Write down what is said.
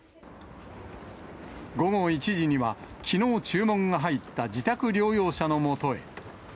午後１時には、きのう注文が入った自宅療養者のもとへ。